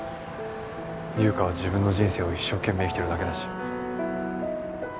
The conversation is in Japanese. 優香は自分の人生を一生懸命生きてるだけだし。